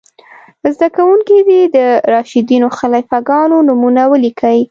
زده کوونکي دې د راشدینو خلیفه ګانو نومونه ولیکئ.